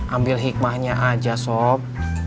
ambil hikmahnya aja sob